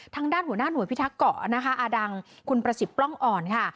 ทางด้านหัวหน้าหน่วยพิทักษ์เกาะนะคะอาดังคุณประสิทธิ์ปล้องอ่อนค่ะ